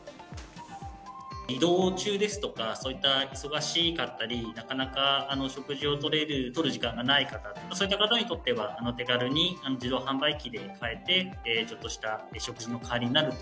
移動中ですとか、そういった忙しかったり、なかなか食事をとる時間がない方、そういった方にとっては手軽に自動販売機で買えて、ちょっとした食事の代わりになると。